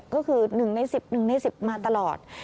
ก็คือ๑ใน๑๑ใน๑๐มาตลอด